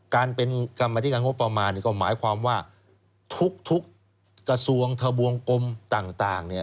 การเป็นกรรมธิการงบประมาณก็หมายความว่าทุกกระทรวงทะบวงกลมต่าง